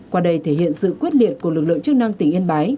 qua đây thể hiện sự quyết liệt của lực lượng chức năng tỉnh yên bái